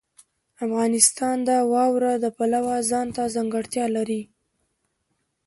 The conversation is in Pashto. افغانستان د واوره د پلوه ځانته ځانګړتیا لري.